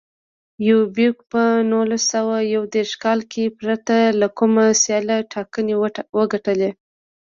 یوبیکو په نولس سوه یو دېرش کال کې پرته له کوم سیاله ټاکنې وګټلې.